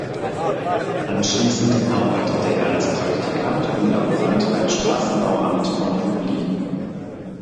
Anschließend arbeitete er als Praktikant und Laborant beim Straßenbauamt von Lublin.